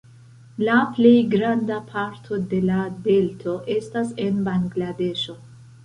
La plej granda parto de la delto estas en Bangladeŝo.